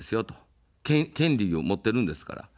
権利を持っているんですから。